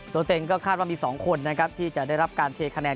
ตัวเองก็คาดว่ามี๒คนนะครับที่จะได้รับการเทคะแนน